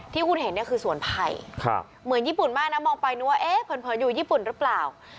ที่คุณเห็นเนี่ยคือสวนไผ่เหมือนญี่ปุ่นมากนะมองไปนึกว่าเอ๊ะเผินอยู่ญี่ปุ่นหรือเปล่า